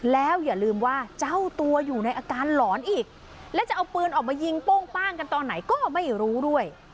แล้วอย่าลืมว่าเจ้าตัวอยู่ในอาการหลอนอีกและจะเอาปืนออกมายิงโป้งป้างกันตอนไหนก็ไม่รู้ด้วย